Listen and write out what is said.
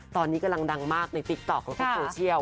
ตอนนี้กำลังดังมากในติ๊กต๊อกแล้วก็โซเชียล